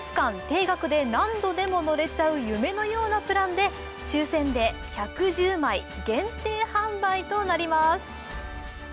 定額で何度でも乗れちゃう夢のようなプランで抽選で１１０枚限定販売となります。